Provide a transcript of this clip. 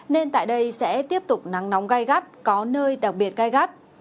nên tại đây sẽ tiếp tục nắng nóng gai gắt có nơi đặc biệt gai gắt